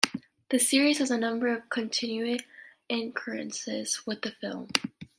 The series has a number of continuity incongruences with the film.